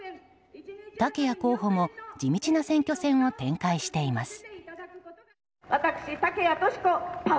竹谷候補も地道な選挙戦を展開しています。